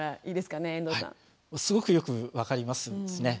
すごくよく分かりますね。